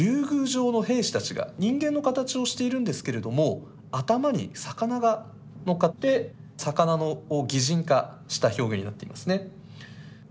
宮城の兵士たちが人間の形をしているんですけれども頭に魚がのっかって魚の擬人化した表現になっていますね。